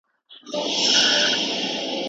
چا به نه وي لیدلي چې دروېشان دي